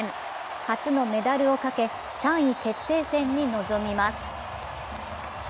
初のメダルをかけ３位決定戦に臨みます。